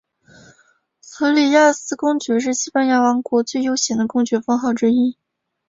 弗里亚斯公爵是西班牙王国最悠久的公爵封号之一。